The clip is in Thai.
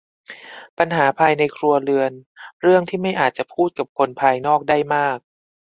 ปัญหาภายในครัวเรือนเรื่องที่ไม่อาจจะพูดกับคนภายนอกได้มาก